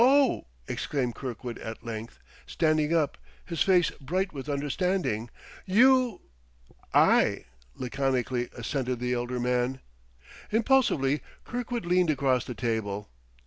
"Oh!" exclaimed Kirkwood at length, standing up, his face bright with understanding. "You !" "I," laconically assented the elder man. Impulsively Kirkwood leaned across the table.